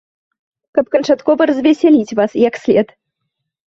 Каб канчаткова развесяліць вас, як след.